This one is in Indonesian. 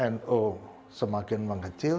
nu semakin mengecil